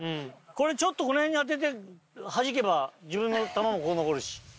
これこの辺に当ててはじけば自分の球もここ残るし。